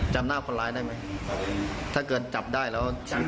จำหน้าคนร้ายได้ไหมถ้าเกิดจับได้แล้ว